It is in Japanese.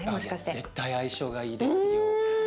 絶対相性がいいですよ。